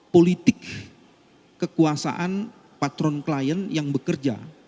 politik kekuasaan patron klien yang bekerja